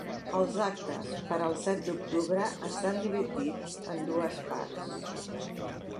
Els actes per al set d’octubre estan dividits en dues parts.